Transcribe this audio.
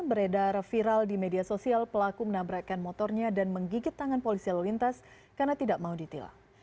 beredar viral di media sosial pelaku menabrakkan motornya dan menggigit tangan polisi lalu lintas karena tidak mau ditilang